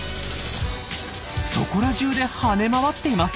そこらじゅうで跳ね回っています。